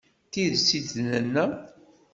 D tidet i d-nenna.